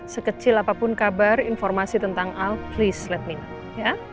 sekecil apapun kabar informasi tentang al please let me know ya